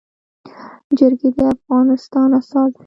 جرګي د افغانستان اساس دی.